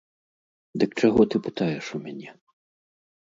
Дык чаго ты пытаеш у мяне?